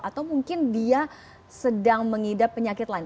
atau mungkin dia sedang mengidap penyakit lain